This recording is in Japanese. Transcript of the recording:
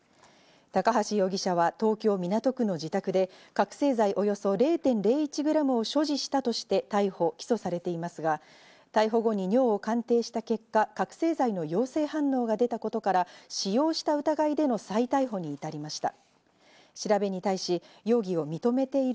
高橋容疑者は東京・港区の自宅で、覚醒剤およそ０．０１グラムを所持したとして逮捕・起訴されていますが、逮捕後に尿を鑑定した結果、覚醒剤の陽性反応が出たことから、使用した疑いでの再逮捕に至りました。